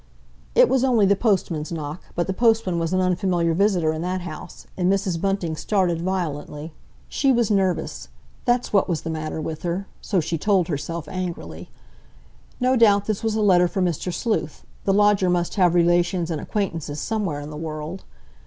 It was only the postman's knock, but the postman was an unfamiliar visitor in that house, and Mrs. Bunting started violently. She was nervous, that's what was the matter with her,—so she told herself angrily. No doubt this was a letter for Mr. Sleuth; the lodger must have relations and acquaintances somewhere in the world.